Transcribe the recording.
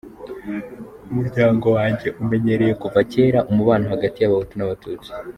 Umuryango wanjye umenyereye kuva kera umubano hagati y’Abahutu n’Abatutsi.